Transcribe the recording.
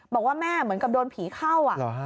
บอกว่าแม่เหมือนกับโดนผีเข้า